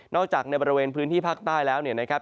จากในบริเวณพื้นที่ภาคใต้แล้วเนี่ยนะครับ